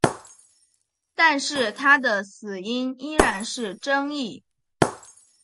但是他的死因依然是争议。